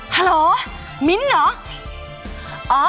ฮัลโหลมิ้นท์เหรอ